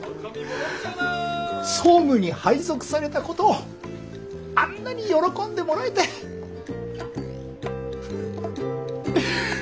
総務に配属されたことをあんなに喜んでもらえてよかった。